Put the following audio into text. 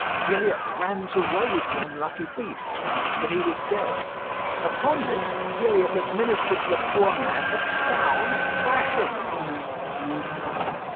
Gilliatt ran to raise the unlucky beast, but he was dead. Upon this Gilliatt administered to the poor man a sound thrashing.